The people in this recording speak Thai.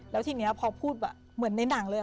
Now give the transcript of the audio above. แล้วทีนี้พอพูดแบบเหมือนในหนังเลย